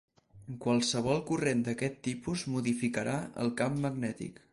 Qualsevol corrent d'aquest tipus modificarà el camp magnètic.